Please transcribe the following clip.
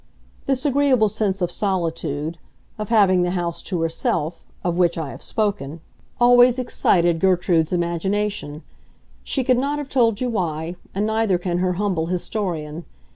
This agreeable sense of solitude, of having the house to herself, of which I have spoken, always excited Gertrude's imagination; she could not have told you why, and neither can her humble historian.